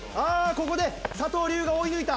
ここで佐藤龍我追い抜いた！